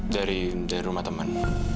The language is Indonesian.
dari rumah teman